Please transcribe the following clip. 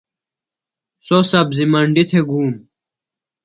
سوۡ سبزیۡ منڈیۡ تھےۡ گُوم۔